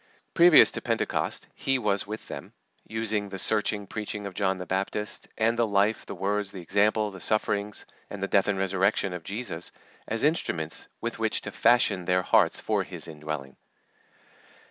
Previous to Pentecost He was with them, using the searching preaching of John the Baptist, and the life, the words, the example, the sufferings, and the death and resurrection of Jesus as instruments with which to fashion their hearts for His indwelling.